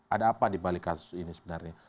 ada apa dibalik kasus ini sebenarnya